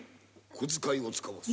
小遣いを遣わす。